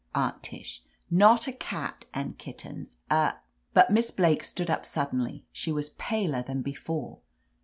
Aunt Tish, not a cat and kittens, a —'* But Miss Blake stood up suddenly, she was paler than before.